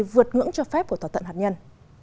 vượt ngưỡng cho phép của thỏa thuận hạt nhân